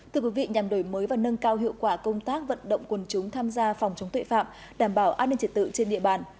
thưa quý vị nhằm đổi mới và nâng cao hiệu quả công tác vận động quần chúng tham gia phòng chống tội phạm đảm bảo an ninh trật tự trên địa bàn